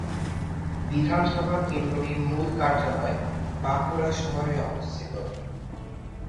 বিধানসভা কেন্দ্রটির মূল কার্যালয় বাঁকুড়া শহরে অবস্থিত।